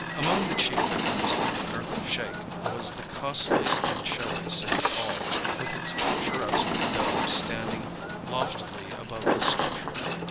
Among the chief victims of the earth shake was the costly and showy City Hall, with its picturesque dome standing loftily above the structure.